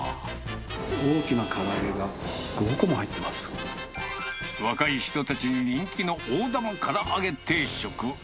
大きなから揚げが５個も入っ若い人たちに人気の大玉から揚げ定食。